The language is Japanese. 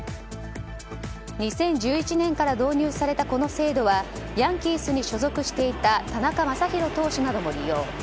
２０１１年から導入されたこの制度はヤンキースに所属していた田中将大投手なども利用。